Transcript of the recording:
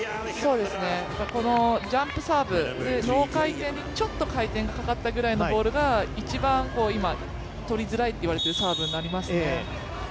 このジャンプサーブ、ノー回転、ちょっと回転かかったくらいのボールが一番取りづらいって言われているサーブになりますね。